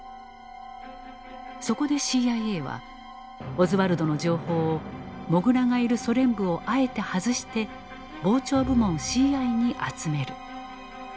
そこでＣＩＡはオズワルドの情報をモグラがいる「ソ連部」をあえて外して防諜部門ＣＩに集める。